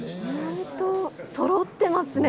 本当、そろってますね。